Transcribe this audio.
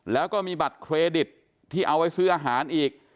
แล้วก็มีบัตรเครดิตที่เอาไว้ซื้ออาหารอีก